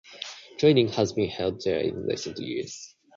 Training has been held there in recent years.